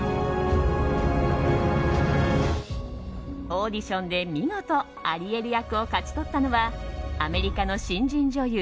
オーディションで見事アリエル役を勝ち取ったのはアメリカの新人女優